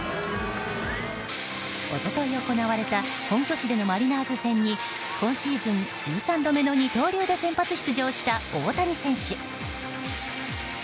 一昨日行われた本拠地でのマリナーズ戦に今シーズン１３度目の二刀流で先発出場した大谷選手。